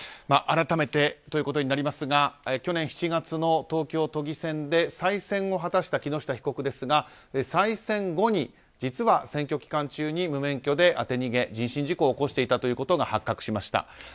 改めてということになりますが去年７月の東京都議選で再選を果たした木下被告ですが再選後に実は選挙期間中に無免許で当て逃げ、人身事故を起こしていたことが発覚しました。